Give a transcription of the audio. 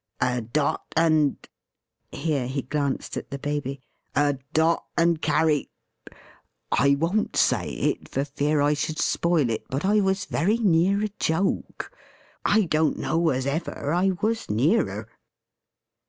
"A dot and" here he glanced at the Baby "a dot and carry I won't say it, for fear I should spoil it; but I was very near a joke. I don't know as ever I was nearer."